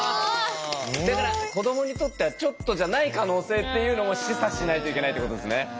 だから子どもにとってはちょっとじゃない可能性っていうのも示唆しないといけないってことですね。